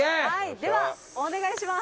ではお願いします。